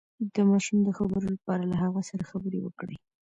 د ماشوم د خبرو لپاره له هغه سره خبرې وکړئ